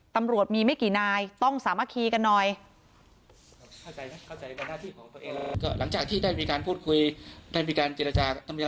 ตำรวจมีไม่กี่นายต้องสามัคคีกันหน่อย